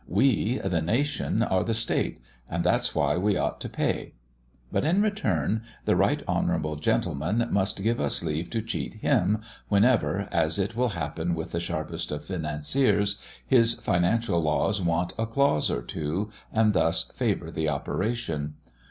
We, the nation, are the state, and that's why we ought to pay. But in return, the right honourable gentleman must give us leave to cheat him whenever, as it will happen with the sharpest of financiers, his financial laws want a clause or two, and thus favour the operation.